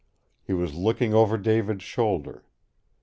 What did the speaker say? He was looking over David's shoulder.